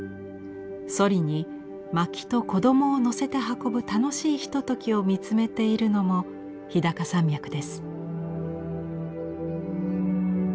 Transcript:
そりに薪と子どもを乗せて運ぶ楽しいひとときを見つめているのも日高山脈です。